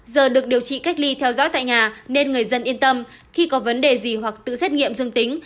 giờ được điều trị cách ly theo dõi tại nhà nên người dân yên tâm khi có vấn đề gì hoặc tự xét nghiệm dương tính